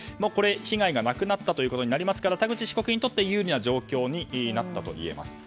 被害がなくなったということになりますから田口被告にとって有利な状況になったといえます。